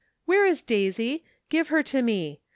" Where is Daisy? give her to me.